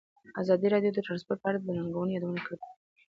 ازادي راډیو د ترانسپورټ په اړه د ننګونو یادونه کړې.